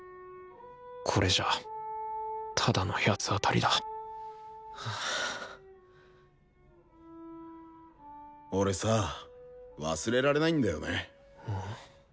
これじゃあただの八つ当たりだ俺さぁ忘れられないんだよね。